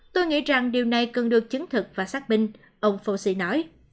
tôi nghĩ rằng điều này cần được chứng thực và xác minh ông fauci nói